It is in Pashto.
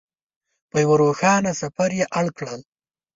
په یوه روښانه سفر یې اړ کړل.